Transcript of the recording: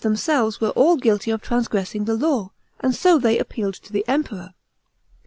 193 themselves were all guilty of transgressing the law, and so they appealed to the Emperor.